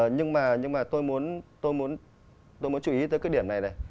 nhưng mà tôi muốn chú ý tới cái điểm này này